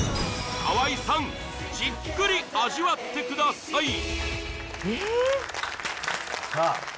河合さんじっくり味わってくださいさあ